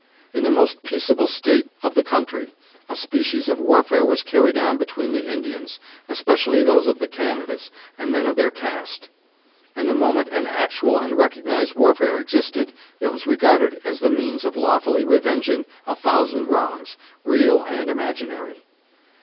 In the most peaceable state of the country, a species of warfare was carried on between the Indians, especially those of the Canadas, and men of their caste; and the moment an actual and recognized warfare existed, it was regarded as the means of lawfully revenging a thousand wrongs, real and imaginary.